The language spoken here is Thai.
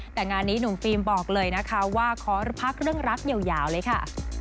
แต่งานนี้หนุ่มฟิล์มบอกเลยนะคะว่าขอพักเรื่องรักยาวเลยค่ะ